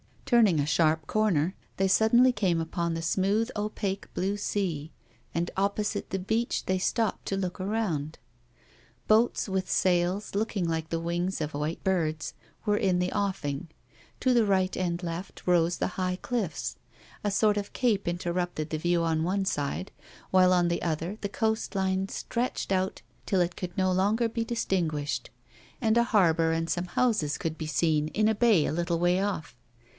Turning a sharp corner, they suddenly came upon the smooth opaque blue sea, and opposite the beach they stopped to look around. Boats, with sails looking like the wings of white bird's, were in the offing ; to the right and left rose the high cliffs ; a sort of cape interrupted the view on one side, while on the other the coast line stretched out till it could no lono'er be distinguished, and a harbour and some houses could be seen in a bay a little way off.